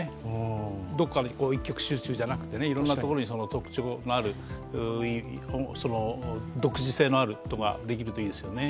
どこかに一極集中じゃなくて、それぞれ特徴のある独自性のあるものができるといいですよね。